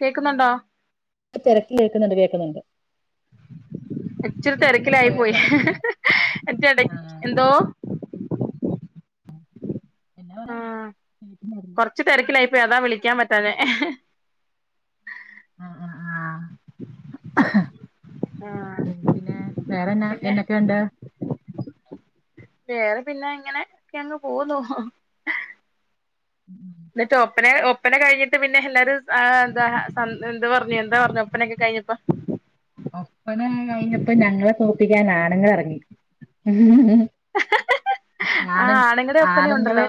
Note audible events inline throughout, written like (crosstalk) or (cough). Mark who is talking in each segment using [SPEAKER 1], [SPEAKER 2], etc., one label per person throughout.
[SPEAKER 1] കേക്കുന്നുണ്ടോ
[SPEAKER 2] തിരക്കിൽ കേൾക്കുന്നുണ്ട് കേൾക്കുന്നുണ്ട്
[SPEAKER 1] ഇച്ചരി തിരക്കിലായി പോയി അതിന്റിടയ്ക്ക് എന്തോ
[SPEAKER 2] എന്നാ പറയാം
[SPEAKER 1] ഉം കൊറച്ച് തിരക്കിലായി പോയി അതാ വിളിക്കാൻ പറ്റാഞ്ഞെ ആഹ്
[SPEAKER 2] ഉം പിന്നെ വേറെ എന്നാ
[SPEAKER 1] പിന്നെ
[SPEAKER 2] എന്നൊക്കെയുണ്ട്
[SPEAKER 1] വേറെ പിന്നെ ഇങ്ങനെ ഒക്കെ അങ്ങ് പോന്നു
[SPEAKER 2] ഉം
[SPEAKER 1] എന്നിട്ട് ഒപ്പന ഒപ്പന കഴിഞ്ഞിട്ട് പിന്നെ എല്ലാരും എന്താ സ എന്ത് പറഞ്ഞു എന്ത് പറഞ്ഞു ഒപ്പനയൊക്കെ കഴിഞ്ഞപ്പോ
[SPEAKER 2] ഒപ്പന കഴിഞ്ഞപ്പോ ഞങ്ങളെ തോപ്പിക്കാൻ ആണുങ്ങൾ ഇറങ്ങി ആണ്
[SPEAKER 1] ആഹ് ആണുങ്ങളുടെ ഒപ്പന
[SPEAKER 2] ആണുങ്ങള്
[SPEAKER 1] ഉണ്ടല്ലോ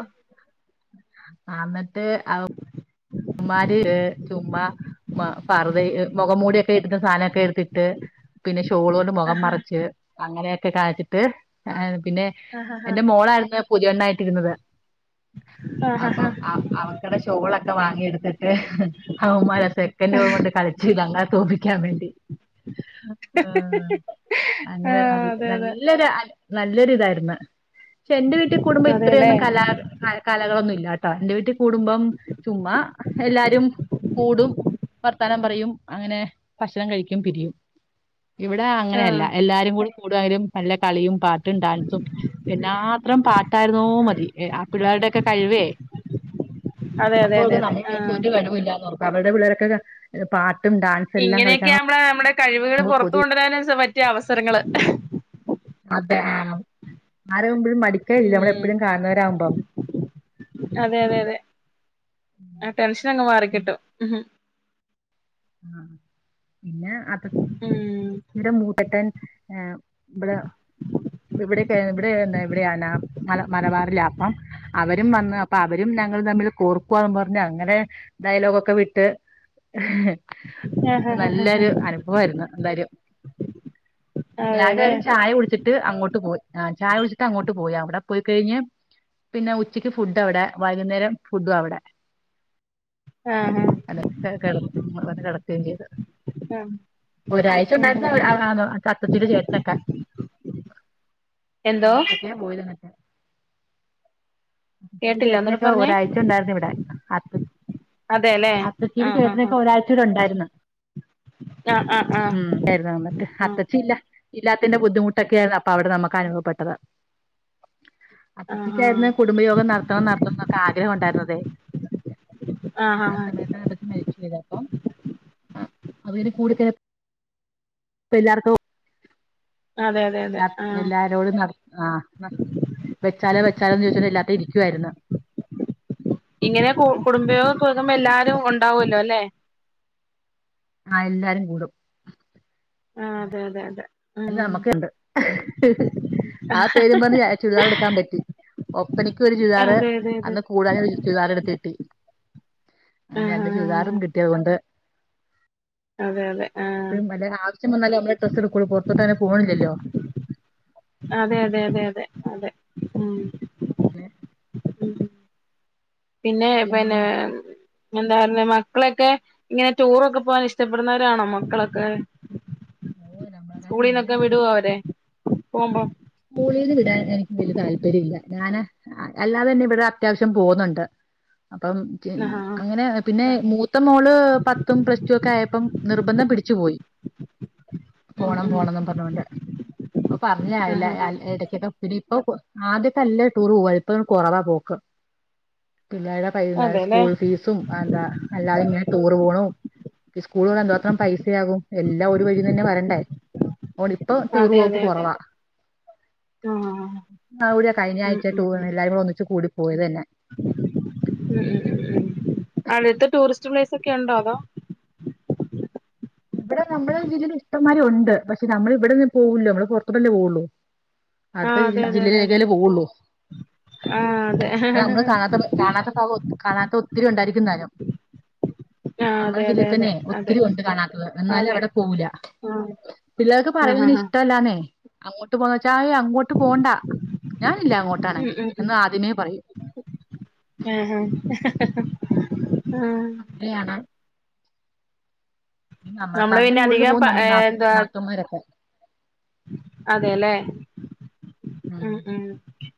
[SPEAKER 2] ആ എന്നിട്ട് അവമ്മാര് ചുമ്മാ മ്മ പറുദയും മുഖം മൂടിയൊക്കെ ഇട്ടിട്ട് സാധനവൊക്കെ എടുത്തിട്ട് പിന്നെ ഷോള് കൊണ്ട് മുഖം
[SPEAKER 1] ആഹാ
[SPEAKER 2] മറച്ച് അങ്ങനെയൊക്കെ കാണിച്ചിട്ട് ആ പിന്നെ
[SPEAKER 1] ആഹ് ആഹ്
[SPEAKER 2] എന്റെ മോളായിരുന്നു പുതിയണ്ണായിട്ടിരുന്നത്
[SPEAKER 1] ആഹ് ആഹ് ആഹ്
[SPEAKER 2] അപ്പം ആ അവക്കടെ ഷോളൊക്കെ വാങ്ങിയെടുത്തിട്ട് അവന്മാരെ സെക്കൻഡ് കൊണ്ട് കളി ചീ ഞങ്ങളെ തോപ്പിക്കാൻ വേണ്ടി ആഹ് അങ്ങനെ ന
[SPEAKER 1] അതെ അതെ
[SPEAKER 2] നല്ലൊരു ആ നല്ലൊരു ഇതായിരുന്നു പക്ഷെ എന്റെ വീട്ടിൽ കൂടുമ്പോ
[SPEAKER 1] അതെല്ലേ
[SPEAKER 2] ഇത്രയൊന്നും കലാ കലകളൊന്നുംല്ലാട്ടോ എന്റെ വീട്ടിൽ കൂടുമ്പം ചുമ്മാ എല്ലാരും കൂടും വർത്താനം പറയും അങ്ങനെ ഭക്ഷണം കഴിക്കും പിരിയും ഇവിടെ
[SPEAKER 1] ആഹ്
[SPEAKER 2] അങ്ങനെയല്ല എല്ലാരും കൂടി കൂടിയാലും നല്ല കളിയും പാട്ടും ഡാൻസും എന്നാത്രം പാട്ടായിരുന്നോ മതി ആ പിള്ളാരുടെയൊക്കെ കഴിവേ
[SPEAKER 1] അതെ അതെ
[SPEAKER 2] അപ്പോ അത്
[SPEAKER 1] അതെ അതെ
[SPEAKER 2] നമ്മ
[SPEAKER 1] ആഹ്
[SPEAKER 2] ഒരു കഴിവും ഇല്ലാ അവരുടെ പിള്ളേരൊക്കെ പാട്ടും ഡാൻസും എല്ലാം കളിക്കാൻ
[SPEAKER 1] ഇങ്ങനെയൊക്കെയ നമ്മള നമ്മുടെ കഴിവുകൾ
[SPEAKER 2] നമുക്ക്
[SPEAKER 1] പൊറത്ത്
[SPEAKER 2] കൊതി
[SPEAKER 1] കൊണ്ടുവരാനും പറ്റിയ അവസരങ്ങള്
[SPEAKER 2] അതെ ആ ആരാവുമ്പോഴും മടിക്കല്ല നമ്മൾ
[SPEAKER 1] ഉം
[SPEAKER 2] എപ്പോഴും കാണുന്നവരാകുമ്പോ
[SPEAKER 1] അതെ അതെ അതെ ആ ടെൻഷനങ്ങ് മാറിക്കിട്ടും ഉം
[SPEAKER 2] ആ പിന്നെ അപ്പൊടെ
[SPEAKER 1] ഉം
[SPEAKER 2] ഇൻ്റെ മൂട്ടട്ടൻ ഇവിടെ ഇവിടെ ഇവിടെ ഇവിടെയന്ന മല മലബാറിലാമ്പം അവരും വന്ന് അപ്പൊ അവരും ഞങ്ങൾ തമ്മിൽ കോർക്കുവാന്ന് പറഞ്ഞ് അങ്ങനെ ഡയലോഗൊക്കെ ഇട്ട്
[SPEAKER 1] ആഹ് ഹ ഹ ഹ
[SPEAKER 2] നല്ലൊരു അനുഭവമായിരുന്നു എന്തായാലും എല്ലാവരും
[SPEAKER 1] അതെല്ലേ
[SPEAKER 2] ഒരു ചായ കുടിച്ചിട്ട് ട്ട് അങ്ങോട്ട് പോയി ആ ചായ കുടിച്ചിട്ട് അങ്ങോട്ട് പോയി അവിടെ പോയിക്കഴിഞ്ഞ് പിന്നെ ഉച്ചയ്ക്ക് ഫുഡ് അവിടെ വൈകുന്നേരം ഫുഡും അവിടെ
[SPEAKER 1] ആഹ് ആ
[SPEAKER 2] അനെ കട (unintelligible) വന്ന് കിടക്കുകയും ചെയ്ത്
[SPEAKER 1] ഉം
[SPEAKER 2] ഒരാഴ്ച
[SPEAKER 1] ഉം ഉം
[SPEAKER 2] ഉണ്ടായിരുന്നോ സത്യത്തിൽ ചേട്ടനൊക്കെ
[SPEAKER 1] എന്തോ
[SPEAKER 2] പോയ (unintelligible) എന്റെ
[SPEAKER 1] കേട്ടില്ല ഒന്നൂടെ
[SPEAKER 2] ചേട്ടനൊക്കെ
[SPEAKER 1] പറഞ്ഞേ
[SPEAKER 2] ഒരാഴ്ച ഉണ്ടായിരുന്നു ഇവിടെ അത
[SPEAKER 1] അതെ അല്ലെ ആഹ് ആഹ്
[SPEAKER 2] ഒരാഴ്ച ഇവിടെ ഉണ്ടായിരുന്നു
[SPEAKER 1] ആഹ് ആഹ് ആഹ്
[SPEAKER 2] ഉം ആയിരുന്നു എന്നിട്ട് അപ്പച്ചി ഇല്ല ഇല്ലാത്തിന്റെ ബുദ്ധിമുട്ടൊക്കെ ആയിരുന്നു അപ്പൊ അവിടെ നമുക്ക് അനുഭവപ്പെട്ടത്
[SPEAKER 1] ആഹ് ആഹ്
[SPEAKER 2] അപ്പച്ചിക്കായിരുന്നു കുടുംബയോഗം നടത്തണം നടത്തണം എന്നൊക്കെ ആഗ്രഹം ഉണ്ടായിരുന്ന തേ
[SPEAKER 1] ആഹ് ആഹ്
[SPEAKER 2] ആ
[SPEAKER 1] ആഹ്
[SPEAKER 2] സമയത്താ അപ്പച്ചി മരിച്ചു പോയത് ആഹ് അവരുക്കൂടി ഇപ്പോ എല്ലാവർക്കും
[SPEAKER 1] അതെ അതെ അതെ
[SPEAKER 2] എല്ലാ
[SPEAKER 1] ആഹ്
[SPEAKER 2] എല്ലാരോടും നട ആഹ് വെച്ചാലോ വെച്ചാലോന്ന് ചോദിച്ച എല്ലാത്തും ഇരിക്കുവായിന്ന്
[SPEAKER 1] ഇങ്ങനെ കു കുടുംബയോഗം വെക്കുമ്പോ എല്ലാരും ഉണ്ടാവൂല്ലോ ല്ലെ
[SPEAKER 2] ആഹ് എല്ലാരും കൂടും
[SPEAKER 1] ആഹ് അതെ അതെ അതെ ഉം
[SPEAKER 2] അല്ല നമ്മക്കുണ്ട് ആ പേരും പറഞ്ഞ് ചുരിദാർ എടുക്കാൻ പറ്റി ഒപ്പനക്കും ഒരു ചുരിദാറ്
[SPEAKER 1] അതെ അതെ അതെ
[SPEAKER 2] അന്ന് കൂടാന ഒരു ചുരിദാർ എടുത്ത് കിട്ടി അങ്ങനെ
[SPEAKER 1] ആഹ്
[SPEAKER 2] രണ്ട് ചുരിദാറും കിട്ടിയതുകൊണ്ട്
[SPEAKER 1] അതെ അതെ ആഹ്
[SPEAKER 2] ഇപ്പഴും വല്യ ആവശ്യ വന്നാലേ നമ്മള് ഡ്രസ് എടുക്കൂള്ളൂ പുറത്തോട്ട് അങ്ങനെ പോകണില്ലല്ലോ
[SPEAKER 1] അതെ അതെ അതെ അതെ അതെ ഉം
[SPEAKER 2] (unintelligible)
[SPEAKER 1] ഉം പിന്നെ പിന്നെ എന്താ പറ മക്കളൊക്കെ ഇങ്ങനെ ടൂറൊക്കെ പോകാൻ ഇഷ്ടപ്പെടുന്നവരാണോ മക്കളൊക്കെ
[SPEAKER 2] ഓ നമ്മളെക്കാട്ടും മുന്നേ
[SPEAKER 1] സ്കൂളീന്നൊക്കെ വിടുവോ അവരെ പോകുമ്പോ
[SPEAKER 2] സ്കൂളിന്ന് വിടാൻ എനിക്ക് വല്ല്യ താല്പര്യല്ല ഞാന് അല്ലാതെ തന്നെ ഇവിടെ അത്യാവശ്യം പോകുന്നുണ്ട് അപ്പം
[SPEAKER 1] ആഹ്
[SPEAKER 2] അങ്ങനെ പിന്നെ മൂ ത്ത മോള് പത്തും പ്ലസ് ടു ഒക്കെ ആയപ്പം നിർബന്ധം പിടിച്ചു പോയി
[SPEAKER 1] ഉം
[SPEAKER 2] പോണം
[SPEAKER 1] ഉം
[SPEAKER 2] പോണംന്നും പറഞ്ഞൊണ്ട്. അപ്പൊ പറഞ്ഞരാവില.
[SPEAKER 1] ആഹ് ആഹ്
[SPEAKER 2] ഇട കൊക്കെ പിടി ഇപ്പൊ ആദ്യ നല്ല ടൂർ പോവ ഇപ്പൊ കൊറവാ പോക്ക്. പിന്നേടെ പൈ (unintelligible)
[SPEAKER 1] അതെല്ലേ
[SPEAKER 2] സ്കൂൾ ഫീസും അന്താ അല്ലാതെ ഇങ്ങനെ ടൂറ് പോണു. ഈ സ്കൂളുകളിൽ എന്തോത്രം പൈസയാകും എല്ലാം ഒരു വഴീന്നന്നെ വരണ്ടേ. ഓന് ഇപ്പൊ ടൂർ
[SPEAKER 1] അതെ
[SPEAKER 2] പോക്ക്
[SPEAKER 1] അതെ അതെ
[SPEAKER 2] കൊറവാ
[SPEAKER 1] അതെ ആഹ്
[SPEAKER 2] അവിടെയ്
[SPEAKER 1] ഉം
[SPEAKER 2] കഴിഞ്ഞാഴ്ച
[SPEAKER 1] ഉം
[SPEAKER 2] ടൂർ
[SPEAKER 1] ഉം ഉം
[SPEAKER 2] എല്ലാരും കൂടെ ഒന്നിച്ച് കൂടി പോയതന്നെ
[SPEAKER 1] ഉം അടുത്ത്‌ ടൂറിസ്റ്റ് പ്ലേസ് ഒക്കെ ഒണ്ടോ അതോ
[SPEAKER 2] ഇവിടെ നമ്മുടെ ജില്ലയില് ഇഷ്ടന്മാരി ഉണ്ട് പക്ഷെ നമ്മള് ഇവിടെന്ന് പോവുലല്ലോ നമ്മള് പൊറത്തൂടി അല്ലെ പോവുള്ളൂ. അടുത്ത
[SPEAKER 1] ആഹ് അതെ
[SPEAKER 2] ജില്ല
[SPEAKER 1] അതെ അതെ
[SPEAKER 2] ജില്ലയിലേക്കല്ലേ പോവൊള്ളൂ.
[SPEAKER 1] അതെ ആഹ് അതെ ആഹ്
[SPEAKER 2] നമ്മള് കാണാത്ത കാണാത്ത ഭാഗം കാണാത്ത ഒത്തിരി ഉണ്ടായിരിക്കും താനും.
[SPEAKER 1] അതെ
[SPEAKER 2] നമ്മടെ
[SPEAKER 1] അതെ
[SPEAKER 2] ജില്ലയിൽ
[SPEAKER 1] അതെ
[SPEAKER 2] തന്നെ
[SPEAKER 1] അതെ
[SPEAKER 2] ഒത്തിരി ഉണ്ട് കാണാത്തത്. എന്നാലും
[SPEAKER 1] അതെ
[SPEAKER 2] അവിടെ പോവൂല പിള്ളേർക്ക്
[SPEAKER 1] ആഹ്
[SPEAKER 2] പറയതിന്
[SPEAKER 1] ആഹ് ആഹ്
[SPEAKER 2] ഇഷ്ടം ല്ലാന്നെ അങ്ങോട്ട് പോണോച്ചാ ഏയ് അങ്ങോട്ട് പോണ്ട. ഞാനില്ല
[SPEAKER 1] ഉം
[SPEAKER 2] അങ്ങോട്ടാണെങ്കിൽ
[SPEAKER 1] ഉം ഉം
[SPEAKER 2] എന്ന് ആദ്യമേ പറയും
[SPEAKER 1] ആഹ് ആഹ് ആഹ്
[SPEAKER 2] ഫ്രീയാണോ പിന്നെ
[SPEAKER 1] നമ്മള്
[SPEAKER 2] നമ്മൾകാട്ടിം
[SPEAKER 1] പിന്നെ
[SPEAKER 2] കൂടുതൽ
[SPEAKER 1] അധികം
[SPEAKER 2] പോകും
[SPEAKER 1] പ
[SPEAKER 2] നമ്മുടെ നാത്തുൻ നാത്തൂൻ മാരൊക്കെ.
[SPEAKER 1] അതേല്ലേ ഉം ഉം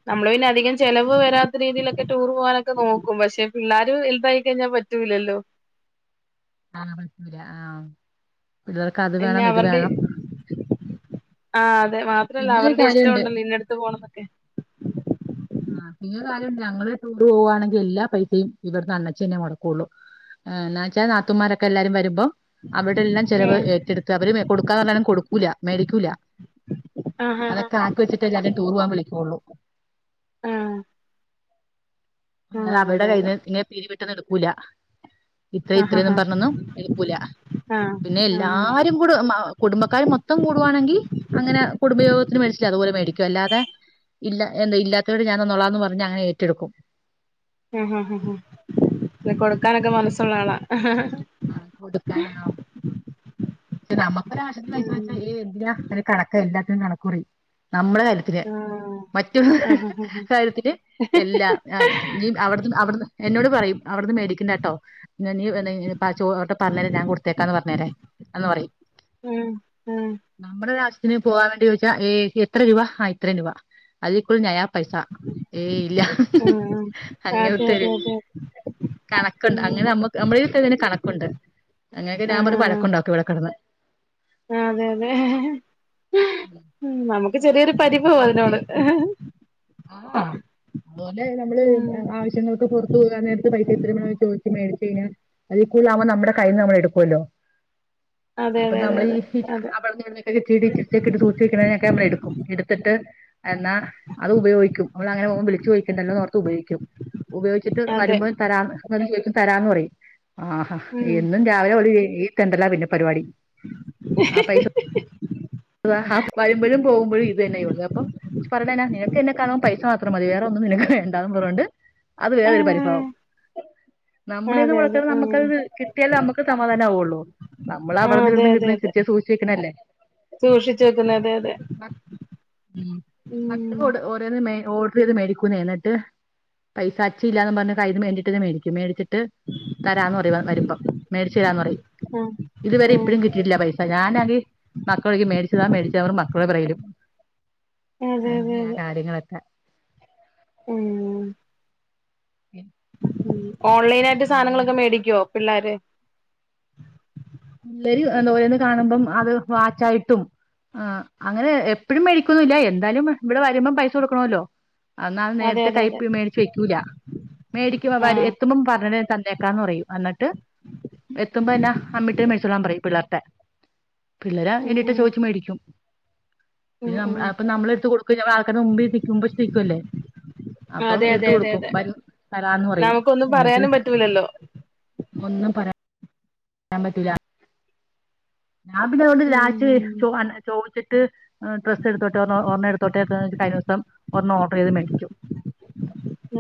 [SPEAKER 1] നമ്മള് പിന്നെ അധികം ചെലവ് വരാത്ത രീതിയിലൊക്കെ ടൂർ പോകാനൊക്കെ നോക്കും പക്ഷെ പിള്ളേർ വലുതായി കഴിഞ്ഞാൽ പറ്റൂലല്ലോ.
[SPEAKER 2] ആഹ് പറ്റുല ആഹ് പിള്ളേർ
[SPEAKER 1] പിന്നെ അവരുടെ ആഹ് അതെ മാ ത്രല്ല
[SPEAKER 2] പിന്നെ ഒരു
[SPEAKER 1] അവരുടെ ഇഷ്ട
[SPEAKER 2] കാര്യമുണ്ട്
[SPEAKER 1] ഉണ്ടല്ലോ ഇന്നടുത്ത് പോണന്ന് ഒക്കെ
[SPEAKER 2] ആഹ് പിന്നെ കാര്യം ഉണ്ട് ഞങ്ങളെ ടൂർ പോവാണെങ്കിൽ എല്ലാ പൈസയും ഇവിടുന്ന് അണ്ണച്ചിന്നെ മൊടക്കുള്ളു. ആഹ് എന്നാ വെച്ചാൽ നാത്തുമാരൊക്കെ എല്ലാരും വരുമ്പം അവിടെല്ലാം ചെലവ്
[SPEAKER 1] ഉം
[SPEAKER 2] ഏറ്റെടുത്ത് അവര് കൊടുക്കാന്ന് പറഞ്ഞാലും കൊടുക്കൂല മേടിക്കൂല.
[SPEAKER 1] ആഹ് ആഹ്
[SPEAKER 2] അതൊക്കെ ആക്കി വെച്ചിട്ടേ എല്ലാരിം ടൂർ പോകാൻ വിളിക്കുള്ളൂ.
[SPEAKER 1] ആഹ്
[SPEAKER 2] അല്ലാതെ
[SPEAKER 1] ആഹ്
[SPEAKER 2] അവരുടെ
[SPEAKER 1] അതെ അതെ
[SPEAKER 2] കയ്യിൽന്ന് ഇങ്ങനെ പിരിവ് ഇട്ടത് എടുക്കൂല. ഇത്ര
[SPEAKER 1] ആഹ്
[SPEAKER 2] ഇത്രയൊന്നും
[SPEAKER 1] ആഹ്
[SPEAKER 2] പറഞ്ഞൊന്നും എട്ക്കൂല പിന്നെ
[SPEAKER 1] ആഹ് ആഹ്
[SPEAKER 2] എല്ലാരും. കുടു മ കുടുംബക്കാർ മൊത്തം കൂടുവാണെങ്കിൽ അങ്ങനെ കുടുംബ യോഗത്തിന് മേടിച്ചില്ലേ അതുപോലെ മേടിക്കും അല്ലാതെ ഇല്ല എന്താ ഇല്ലാത്തവരോട് ഞാൻ തന്നോളാന്ന് പറഞ്ഞ് അങ്ങനെ ഏറ്റെടുക്കും.
[SPEAKER 1] ആഹ് ഹാഹ് ഹാഹ് അല്ല കൊടുക്കാനൊക്കെ മനസ്സുള്ള ആളാ.
[SPEAKER 2] ആഹ് കൊടുക്കാനോ പക്ഷെ നമുക്കൊരാവശ്യത്തിന് പൈസ
[SPEAKER 1] ഉം
[SPEAKER 2] ചോയ്ച്ചാൽ ഏയ്‌ എന്തിനാ ഒരു കണക്ക് എല്ലാത്തിനും കണക്ക്‌ പറയും നമ്മളെ കാര്യ ത്തിന്
[SPEAKER 1] ആഹ്
[SPEAKER 2] മറ്റുള്ളോര്
[SPEAKER 1] ആഹ് ആഹ്
[SPEAKER 2] കാര്യത്തിന് എല്ലാ നി അവട്ന്ന് അവിടുന്ന് എന്നോട് പറയും അവിടുന്ന് മേടിക്കണ്ടാട്ടോ. ഞ നീ എന്താ പാ ചോ ട്ടാ പറഞേരെ ഞാൻ കൊടുത്തേക്കാന്ന് പറഞ്ഞേരേ എന്ന് പറയും.
[SPEAKER 1] ഉം ഉം
[SPEAKER 2] നമ്മുടെ ഒരാവശ്യത്തിന് പോവാൻ വേണ്ടി ചോയ്ച്ചാ ഏയ് എത്ര രൂപ ആ ഇത്രയും രൂപ. അതിൽ കൂടുതൽ നയാപൈസ ഏയ് ഇല്ല
[SPEAKER 1] ഉം ഉം അതെ
[SPEAKER 2] അങ്ങനത്തൊരു.
[SPEAKER 1] അതെ അതെ
[SPEAKER 2] കണക്കുണ്ട്
[SPEAKER 1] ഉം
[SPEAKER 2] അങ്ങനെ നമ്മക്ക് നമ്മളേൽ ഇട്ടതിനു കണക്കുണ്ട് അങ്ങനെയൊക്കെ ഞാൻ
[SPEAKER 1] ആഹ്
[SPEAKER 2] പറയും വഴ ക്കുണ്ടാക്കും ഇവിടെ കെടന്ന്
[SPEAKER 1] അതെ അതെ ഉം നമുക്ക് ചെറിയൊരു പരിഭവാ അതിനോട്.
[SPEAKER 2] ആഹ് അതുപോലെ നമ്മള്
[SPEAKER 1] ഉം
[SPEAKER 2] ആവശ്യ ശ്യങ്ങൾക്ക് പൊറത്ത് പോകാൻ നേരത്ത് പൈ ഇത്ര വേണോം ചോയ്ച്ച് മേടിച്ച് കഴിഞ്ഞൽ അതിൽക്കൂടുതൽ ആവുമ്പോ നമ്മുടെ കയ്യിൽ നിന്ന് നമ്മൾ എടുക്കുവല്ലോ
[SPEAKER 1] അതെ
[SPEAKER 2] അപ്പൊ
[SPEAKER 1] അതെ അതെ
[SPEAKER 2] നമ്മൾ ഈ
[SPEAKER 1] അതെ
[SPEAKER 2] അവിടുന്ന് ഇവിടുന്ന് ഒരു ഇച്ചിരി ഇച്ചിരെ ഒക്കെ സൂക്ഷിച്ചു വെക്കണേന്നൊക്കെ നമ്മള് എടുക്കും എടുത്തിട്ട് എന്നാ അത് ഉപയോഗിക്കും അവള് അങ്ങനെ ഓൻ വിളിച്ച് ചോദിക്ക്ണ്ടല്ലോന്നോർത്ത് ഉപയോഗിക്കും ഉപയോഗിച്ചിട്ട്
[SPEAKER 1] അതെ അതെ
[SPEAKER 2] വരുമ്പോ തരാന്ന് വന്ന്‌ ചോയ്ക്കും തരാന്ന് പറയും ആഹ
[SPEAKER 1] ഉം
[SPEAKER 2] എന്നും രാവിലെ അവള് ഈ തെണ്ടലാ പിന്നെ പരിപാടി അത വരുമ്പഴും പോവുമ്പഴും ഇത് തന്നെ ഇവക്ക് അപ്പം പറയണെന്നാ നിന ക്കെന്നെ കാണുമ്പോ പൈസ മാ ത്രം മതി വേറെ ഒന്നും നിനക്ക് വേണ്ടാന്ന് പറഞ്ഞോണ്ട് അത് വേറൊരു പരിഭവം
[SPEAKER 1] ആഹ്
[SPEAKER 2] നമ്മടെന്ന്
[SPEAKER 1] അതെ അതെ
[SPEAKER 2] മൊടക്കണത്
[SPEAKER 1] ഉം
[SPEAKER 2] നമ്മക്കത് കിട്ട്യാലേ നമ്മക്ക് സമാധാനാവുള്ളൂ നമ്മള്
[SPEAKER 1] ആഹ്
[SPEAKER 2] അവിടന്നും ഇവിടന്നും കിട്ടണേ ഇച്ചിരിച്ചേ സൂക്ഷിച്ച് വെക്കണതല്ലേ
[SPEAKER 1] സൂക്ഷിച് വെക്കുന്നത് അതെ അതെ
[SPEAKER 2] ഉം
[SPEAKER 1] ഉം
[SPEAKER 2] (unintelligible) ഓരോന്ന് മേ ഓ (unintelligible) മേടിക്കുന്നേ എന്നിട്ട് പൈസ അച്ചി ഇല്ലാന്ന് പറഞ്ഞ് കയ്ന്ന് മേണ്ടിട്ടിത് മേടിക്കും മേടിച്ചിട്ട് തരാന്ന് പറയും വരുമ്പം മേടിച്ചു തരാന്ന് പറയും
[SPEAKER 1] ആഹ്
[SPEAKER 2] ഇതുവരെ
[SPEAKER 1] ആഹ്
[SPEAKER 2] ഇപ്പഴും കിട്ടിട്ടില്ല ആ പൈ ഞാനാങ്കി മക്കളെ (unintelligible) മേടിച്ചു താ മേടിച് താ പറഞ്ഞ് മക്കളോട് പറയലും
[SPEAKER 1] അതെ അതെ
[SPEAKER 2] അങ്ങനെയാ
[SPEAKER 1] അതെ
[SPEAKER 2] കാര്യങ്ങളൊക്കെ
[SPEAKER 1] ഉം ഉം ഓൺലൈനായിട്ട് സാധനങ്ങളൊക്കെ മേടിക്കോ പിള്ളേര്
[SPEAKER 2] പിള്ളേര് എന്താ ഓരോന്ന് കാണുമ്പം അത് വാച്ചായിട്ടും ആഹ് അങ്ങനെ എപ്പഴും മേടിക്കൊന്നില്ല എന്തായാലും ഇവടെ വരുമ്പം പൈസ കൊടുക്കണല്ലോ അന്നാ അത്
[SPEAKER 1] അതെ
[SPEAKER 2] നേരത്തെ
[SPEAKER 1] അതെ അതെ
[SPEAKER 2] കൈപ് മേടിച്ച് വെക്കൂല മേടിക്കും അവന്മാര് എ
[SPEAKER 1] ആഹ്
[SPEAKER 2] എത്തുമ്പം പറയണെ തന്നേക്കാന്ന് പറയും അന്നിട്ട് എത്തുമ്പോ എന്നാ അമ്മിട്ട് മേടിച്ചോളാൻ പറയും പിള്ളേര്ടെ പിള്ളേര്
[SPEAKER 1] ഉം
[SPEAKER 2] എന്നിട്ട്
[SPEAKER 1] ഉം
[SPEAKER 2] ചോദിച്ചു മേടിക്കും
[SPEAKER 1] ഉം
[SPEAKER 2] പിന്നെ നമ്മ
[SPEAKER 1] ഉം
[SPEAKER 2] അപ്പ നമ്മള് എടുത്ത് കൊടുക്കില്ലേ ആൾക്കാര്ടെ മുമ്പി നിക്കുമ്പം (unintelligible) അപ്പം
[SPEAKER 1] അതെ അതെ
[SPEAKER 2] എടുത്തു
[SPEAKER 1] അതെ
[SPEAKER 2] കൊടുക്കും
[SPEAKER 1] അതെ
[SPEAKER 2] ബൻ തരാന്ന് പറയും
[SPEAKER 1] നമുക്കൊന്നും
[SPEAKER 2] എന്നിട്ട്
[SPEAKER 1] പറയാനും പറ്റൂലല്ലോ
[SPEAKER 2] ഒന്നും പറ യാൻ പറ്റൂല ഞാൻ പിന്നെ അതുകൊണ്ട് ലാസ്റ്റ്
[SPEAKER 1] ഉം
[SPEAKER 2] ചോൻ ചോയ്ച്ച്ട്ട് ആഹ് ഡ്രസ് എടുത്തോട്ടെ ഒരെണ്ണം എടുതോട്ടേന്ന് കഴിഞ്ഞിസം ഒരെണ്ണം ഓർഡറ് ചെയ്ത് മേടിക്കും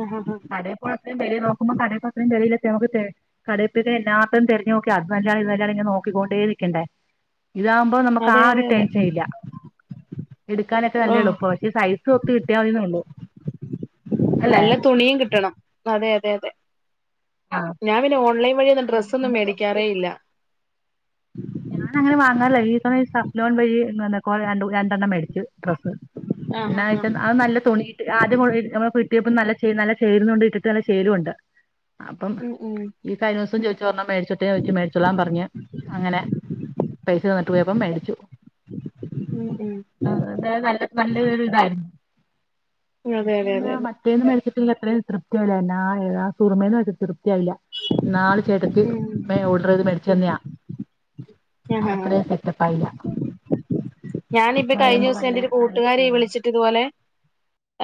[SPEAKER 1] ആഹാ ഹാഹ്
[SPEAKER 2] കടേ പോയപ്പം വെലെ നോക്കുമ്പം കടേത്തത്രയും വിലല്ല (unintelligible) കടെ പോയ് കഴിഞ്ഞ എല്ലാതും തെരഞ്ഞു നോക്കി അത് നല്ലതാ ഇത് നല്ലതാ ഇങ്ങനെ നോക്കിക്കൊണ്ടേ ഇരിക്കണ്ടേ ഇതാവുമ്പോ നമ്മുക്ക് ആ
[SPEAKER 1] അതെ
[SPEAKER 2] ഒരു
[SPEAKER 1] അതെ അതെ
[SPEAKER 2] ടെൻഷൻ ഇല്ല എടുക്കാനൊക്കെ
[SPEAKER 1] ഓഹ്
[SPEAKER 2] നല്ലേളുപ്പവാ പക്ഷേ സൈസ് ഒത്ത് കിട്ടിയാതിന്നുള്ളു അല്ലേ
[SPEAKER 1] നല്ല തുണിയും കിട്ടണം അതെ അതെ അതെ
[SPEAKER 2] ആ
[SPEAKER 1] ഞാൻ പിന്നെ ഓൺലൈൻ വഴി ഒന്ന് ഡ്രെസ്സൊന്നും
[SPEAKER 2] നമുക്ക്
[SPEAKER 1] മേടിക്കാറേ ഇല്ല
[SPEAKER 2] ഞാൻ അങ്ങനെ വാങ്ങാറില്ല ഈ സമയം (unintelligible) വഴി എന്താണ് രണ്ട് രണ്ടെണ്ണം മേടിച്ചു ഡ്രസ്സ്
[SPEAKER 1] ആഹ്
[SPEAKER 2] എന്നാ
[SPEAKER 1] ആഹ്
[SPEAKER 2] വെച്ചാ
[SPEAKER 1] ആഹ്
[SPEAKER 2] അത് നല്ല തുണി ആദ്യം മു നമ്മ കിട്ടിയപ്പം നല്ല ചേ നല്ല ചേരുന്നുണ്ട് ഇട്ടിട്ട് നല്ല ശേലും ഇണ്ട് അപ്പം
[SPEAKER 1] ഉം ഉം
[SPEAKER 2] ഈ കഴിഞ്ഞ ദിവസം ചോദിച്ചു ഒരെണ്ണം മേടിച്ചോട്ടെ ചോദിച്ചു മേടിച്ചോളാൻ പറഞ്ഞു അങ്ങനെ പൈസ തന്നിട്ട് പോയപ്പം മേടിച്ചു
[SPEAKER 1] ഉം ഉം
[SPEAKER 2] അതായത് നല്ല നല്ലൊരുതായിരുന്നു (unintelligible)
[SPEAKER 1] ഉം അതെ അതെ അതെ അതെ
[SPEAKER 2] (unintelligible) സുറുമേന്ന് ഇടുത്തത് തൃപ്‌തി ആയില്ല ഇന്നാള് ചേട്ടത്തി
[SPEAKER 1] ഉം
[SPEAKER 2] വേ ഓർഡറ്യ്ത് മേടിച്ചന്നെയാ
[SPEAKER 1] ആഹാ
[SPEAKER 2] അത്രേം സെറ്റപ്പായില്ല
[SPEAKER 1] ഞാനിപ്പ
[SPEAKER 2] പറയുമ്പോ
[SPEAKER 1] കഴിഞ്ഞിസം
[SPEAKER 2] നല്ല
[SPEAKER 1] എന്റൊരു കൂട്ടുകാരി
[SPEAKER 2] നല്ല
[SPEAKER 1] വിളിച് ച്ച് ഇതുപോലെ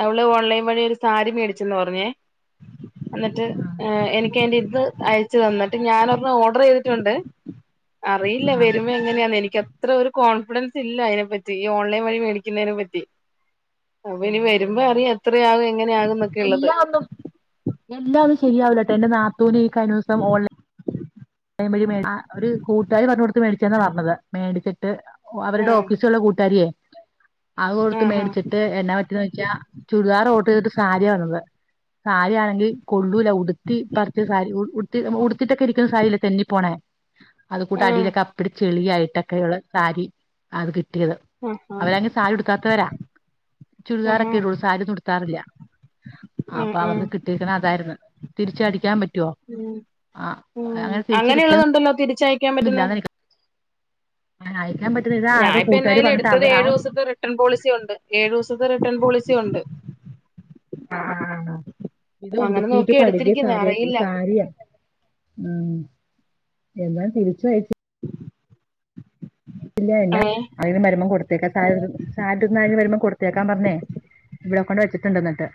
[SPEAKER 1] അവള് ഓൺലൈൻ വഴി ഒരു സാരി മേടിച്ചന്ന് പറഞ്ഞേ എന്നിട്ട്
[SPEAKER 2] ആ
[SPEAKER 1] ഏഹ് എനിക്കതിൻ്റേട്ത്ത് അയച്ചു തന്നിട്ട് ഞാൻ ഒരെണ്ണ ഓർഡർ ചെയ്തിട്ടുണ്ട് അറിയില്ല
[SPEAKER 2] ആഹ്
[SPEAKER 1] വരുമേ നെയ എനിക്കത്ര ഒരു കോൺഫിഡൻസ് ഇല്ല അതിനെ പറ്റി ഈ ഓൺലൈൻ വഴി മേടിക്കുന്നതിനെ പറ്റി അപ്പൊ ഇനി
[SPEAKER 2] അതെ
[SPEAKER 1] വരുമ്പോ അറിയാം എത്രയാകും എങ്ങനെയാകും എന്നൊക്കെള്ളത്
[SPEAKER 2] എല്ലാം ശരിയാവൂലട്ടോ എന്റെനാത്തൂനി കഴിഞ്ഞ ദിവസം ഓ (unintelligible) അ ഒരു കൂട്ടര് പറഞ്ഞു കൊടുത്ത് മേടിച്ചന്നാ പറഞ്ഞത് മേടിച്ചിട്ട് ഓ അവരുടെ
[SPEAKER 1] ആഹ്
[SPEAKER 2] ഓഫീസുള്ള കൂട്ടാരിയേ അത് കൊടുത്ത്
[SPEAKER 1] ആഹ്
[SPEAKER 2] മേടിച്ചിട്ട് എന്ന പറ്റിയന്ന് വെച്ചാ ചുരിദാർ ഓർഡർ ചെയ്തിട്ട് സാരിയാവന്നത് സാരിയാണെങ്കിൽ കൊള്ളൂല ഉടുത്തി പറിച്ച സാരി ഉ ഉടുത്തിട്ടൊക്കെ ഇരിക്കുന്ന സാരില്ലേ തെന്നി പോണേ അതുകൂട്ട്
[SPEAKER 1] ആഹ്
[SPEAKER 2] അടിയിലൊക്കെ അപ്പടിച്ചെളിയായിട്ടൊക്കെയുള്ള സാരി അത് കിട്ടിയത്
[SPEAKER 1] ആഹ് ആഹ്
[SPEAKER 2] അവരങ്ങ് സാരി ഉടുക്കാത്തവരാ
[SPEAKER 1] ആഹാ
[SPEAKER 2] ചുരിദാറൊക്കെ ഇടുള്ളൂ സാരിയൊന്നും ഉടുക്കാറില്ല
[SPEAKER 1] ആ
[SPEAKER 2] അപ്പൊ
[SPEAKER 1] ആ
[SPEAKER 2] അവർക്ക് കിട്ടിരിക്ക്ണഅതായിരുന്നു തിരിച്ചടിക്കാൻ പറ്റുവോ
[SPEAKER 1] ഉം
[SPEAKER 2] ആഹ്
[SPEAKER 1] ഉം
[SPEAKER 2] (inaudible)
[SPEAKER 1] അങ്ങനെയുള്ളതുണ്ടല്ലോ തിരിച്ചയക്കാൻ പറ്റുന്നെ
[SPEAKER 2] അയക്കാൻ പറ്റുന്ന ഇതാ അത്
[SPEAKER 1] ഞാനിപ്പോ
[SPEAKER 2] കൂട്ടുകാര്
[SPEAKER 1] എന്തായാലും
[SPEAKER 2] പറഞ്ഞിട്ട്
[SPEAKER 1] എടുത്തത്
[SPEAKER 2] അവ ആ
[SPEAKER 1] ഏഴു ദിവസത്തെ റിട് ട്ടേൺ പോളിസി ഉണ്ട് ഏഴു ദിവസത്തെ റിട്ടേൺ പോളിസി ഉണ്ട്
[SPEAKER 2] ആഹ് ആഹ് ഇത്
[SPEAKER 1] അങ്ങനെ
[SPEAKER 2] ഉടുത്തീട്ട്
[SPEAKER 1] നോക്കി
[SPEAKER 2] പഴ്കിയ
[SPEAKER 1] എടുത്തിരിക്കുന്നെ
[SPEAKER 2] സാരിയക്കെ
[SPEAKER 1] അറിയില്ല
[SPEAKER 2] സാരിയ ആഹ് എന്നാൽ തിരിച്ച അയച്ചു ഇല്ലേല്ല
[SPEAKER 1] ഏ
[SPEAKER 2] അതിന് മരുമോം കൊടുത്തേക്കാം സ സാധന് വരുമ്പം കൊടുത്തേക്കാൻ പറഞ്ഞേ ഇവിടെ കൊണ്ട് വെച്ചിട്ടുണ്ടെന്നിട്ട്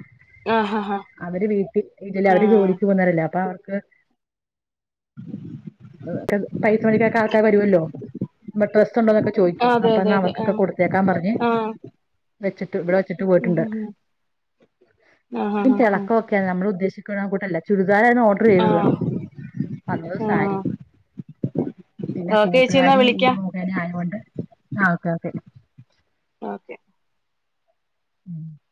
[SPEAKER 1] ആ ഹാ ഹാ
[SPEAKER 2] അവര് വീട്ടിൽ ഇതില്
[SPEAKER 1] ആ
[SPEAKER 2] അവര് ജോലിക്ക് പോന്നാറല്ലേ അപ്പൊ അവർക്ക് പൈസ മേടിക്കാക്കെ ആൾക്കാര് വരുവല്ലോ പ്പോ ഡ്രസ് ഉണ്ടോന്നൊക്കെ ചോദിക്കും
[SPEAKER 1] അതെ അതെ
[SPEAKER 2] അപ്പന്നാ
[SPEAKER 1] അതെ ആ
[SPEAKER 2] അവർക്കൊക്കെ കൊടുത്തേക്കാൻ പറഞ്ഞെ
[SPEAKER 1] ആ
[SPEAKER 2] വെച്ചിട്ട് ഇവിടെ വെച്ചിട്ട് പോയിട്ടുണ്ട്
[SPEAKER 1] ആഹ് ആഹ് ആഹ് ആഹ്
[SPEAKER 2] ഓക്ക നമ്മൾ ഉദ്ദേശിക്കണകൂട്ടല്ല ചുരിദാറാരുന്നു ഓർഡർ
[SPEAKER 1] ആ
[SPEAKER 2] ചെയ്തത് വന്നത്
[SPEAKER 1] ആ
[SPEAKER 2] സാരി പിന്നെ
[SPEAKER 1] ഓക്കെ ചേച്ചി എന്നാ
[SPEAKER 2] കൂട്ടുകാരി
[SPEAKER 1] വിളിക്കാം
[SPEAKER 2] മുഖേനെ ആയകൊണ്ട് ആ ഓക്കെ ഓക്കെ
[SPEAKER 1] ഓക്കെ
[SPEAKER 2] ഉം